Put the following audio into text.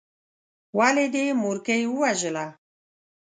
ولې دې مورکۍ ووژله.